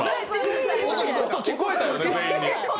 音、聞こえたよね、全員に。